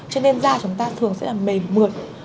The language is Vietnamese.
cho nên da chúng ta thường sẽ là mềm mượt